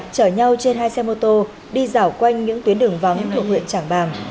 chở nhau trên hai xe mô tô đi dạo quanh những tuyến đường vắng thuộc huyện trảng bàng